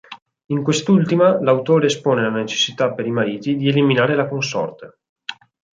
In quest'ultima l'autore espone la necessità per i mariti di eliminare la consorte.